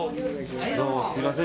どうもすみません。